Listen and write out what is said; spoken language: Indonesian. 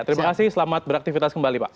terima kasih selamat beraktivitas kembali pak